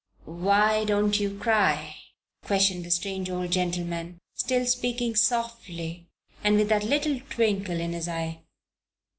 "Why don't you cry?" questioned the strange old gentleman, still speaking softly and with that little twinkle in his eye.